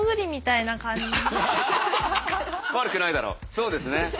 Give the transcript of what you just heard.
そうですね。